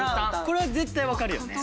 これは絶対わかるよね。